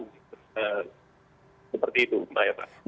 seperti itu mbak eva